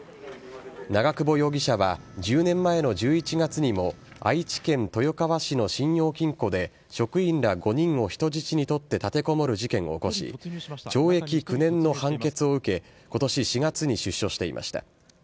長久保容疑者は１０年前の１１月にも愛知県豊川市の信用金庫で職員ら５人を人質に取って立てこもる事件を起こし懲役９年の判決を受け今年４月に出所していました。